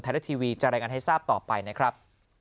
รัฐทีวีจะรายงานให้ทราบต่อไปนะครับ